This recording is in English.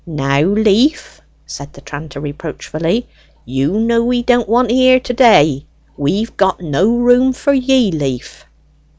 "Now, Leaf," said the tranter reproachfully, "you know we don't want 'ee here to day: we've got no room for ye, Leaf."